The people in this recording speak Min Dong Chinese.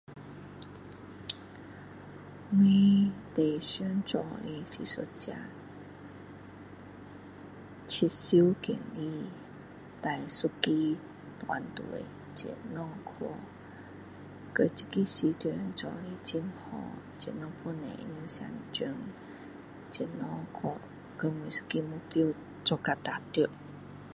我最想做的是一个销售经理带一个队去把这个市场做的很好怎样把每一个目标做到达到